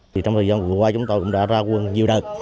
thì trong thời gian vừa qua chúng tôi cũng đã ra quân nhiều đợt